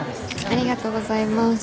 ありがとうございます。